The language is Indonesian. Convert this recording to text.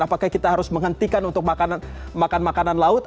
apakah kita harus menghentikan untuk makan makanan laut